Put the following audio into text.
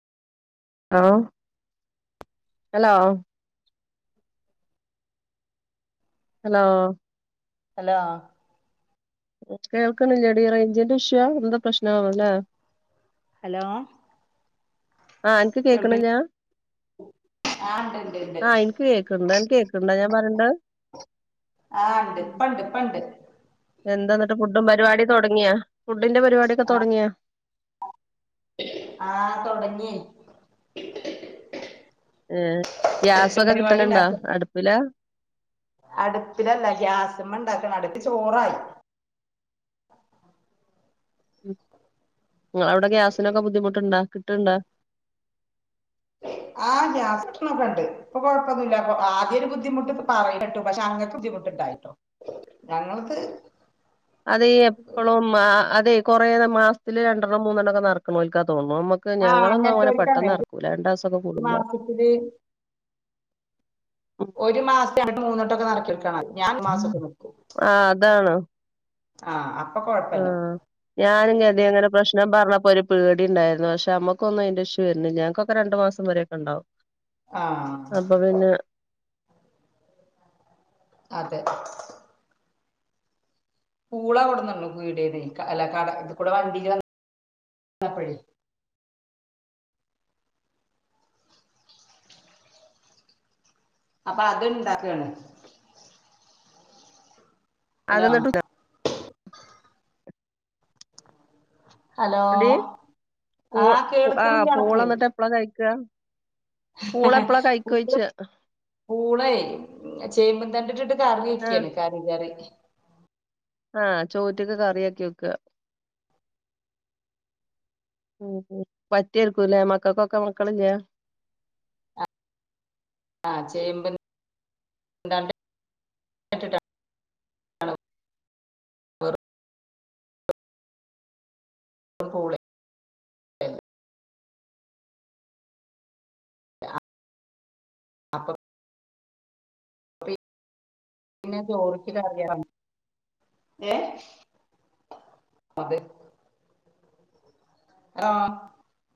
ആഓ hello hello hello കേൾക്കണില്ലെടീ റേഞ്ചിന്റെ ഇഷ്യൂആ എന്താ പ്രശ്നാവോലെ ഹലോ ആഹ് അൻക്ക് കേക്ണില്ല ആഹ് ണ്ട്ണ്ട് ആഹ് ഇൻക്ക് കേക്ണ്ട് അൻക്ക് കേക്ണ്ടാ ഞാ പറയണ്ത് ആഹ് ണ്ട് പണ്ട് പണ്ട് എന്താ എന്നിട്ട് ഫുഡും പരിപാടി തൊടങ്ങിയാ ഫുഡിന്റെ പരിപാടിക്കെ തൊടങ്ങിയാ ആഹ് തൊടങ്ങി ഏഹ് ലഡ്ഡു ഗ്യാസൊക്കെ പരിപാടി കിട്ടലുണ്ടോ ഇണ്ടാക്ക അടുപ്പില അടുപ്പിലല്ല ഗ്യാസമ്മണ്ടാക്കണം അടുപ്പ് ചോറായി ആഹ് ങ്ങളവിടെ ഗ്യാസിനൊക്കെ ബുദ്ധിമുട്ടുണ്ടോ കിട്ട്ണ്ടാ ആഹ് ഗ്യാസ്ട്ട്ണൊക്കെണ്ട് ഇപ്പൊ കൊഴപ്പൊന്നില്ല ആദ്യ ഒരു ബുദ്ധിമുട്ട് പറയണേട്ടു പക്ഷെ അങ്ങ ബുദ്ധിമുട്ടണ്ടായിട്ടോ ഞങ്ങളത് അതെ എപ്പളും അതെ കുറേ മാസത്തില് രണ്ടെണ്ണം മൂന്നെണ്ണം നറക്ക്ണോൽക്കാ തോന്നണു അമ്മ ക്കെ ആഹ് ഞങ്ങളൊന്നും അങ്ങനെ പെട്ടെന്ന് നറകൂല രണ്ടാസക്കെ കൂടുമ്പോ പുത്യ ഒരു മാസതി അണ്ട്വട്ടോ മൂന്നോട്ടൊക്കെനറക്കിക്കാ ഞൻ മാസൊക്കെ നിക്കും ആഹ് അതാണ് ആഹ് അപ്പൊ കൊഴപ്പല്ല ഞാനുകർതി അങ്ങനെ പ്രശ്നം പറഞ്ഞപ്പോ ഒരു പേടിണ്ടായിരുന്നു പഷേ അമ്മക്കൊന്നും അതിന്റെ ഇഷ്യ വരുന്ന്ല്ല ഞങ്ങൾക്കൊക്കെ രണ്ട് മാസം വരൊക്കെണ്ടാവും ആഹ് അപ്പൊ പിന്നെ അതെ പൂള കൊട്ന്നണ്ണു പീടീന്നെ അല്ല കട ഇത്കുടെവണ്ടി ന്നപ്പഴേ അപ്പൊ അത് ഇണ്ടാക്കാണ് ഹലോ അതന്നിട്ട്ഉദാ ഹലോ എടീ ആഹ് പൂ ആ കേൾക്കണില്ല അനക്ക് പൂളന്നിട്ട് എപ്പളാ കഴിക്കാ പൂള എപ്പളാ കൈക്കാഒയിച്ച പൂളയ് ചേമ്പ്തണ്ടിട്ടിട്ട് കറി ആഹ് വെക്കാണ് കറി കറി ആഹ് ചോറ്റ്ക്ക് കറിയാക്കി വെക്കാ ആഹ് പറ്റിയേർക്കൂല്ലേ മക്കൾക്കൊക്കെ മക്കളില്ലേ ആ ചേമ്പ് തണ്ട് ഇട്ടിട്ട് പൂളയ് അപ്പ അ പിന്നെ ചോർക്ക്ക്കറിയാണ് ഏഹ് അത് ആഹ്